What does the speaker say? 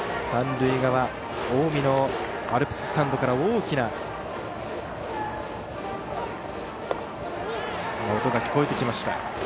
三塁側近江のアルプススタンドから大きな音が聞こえてきました。